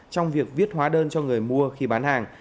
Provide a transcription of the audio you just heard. trong việc viết hóa đơn cho người mua khi bán hàng